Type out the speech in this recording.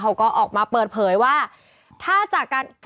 เขาก็ออกมาเปิดเผยว่าถ้าจากการ